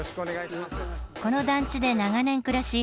この団地で長年暮らし